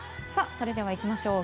それではいきましょう。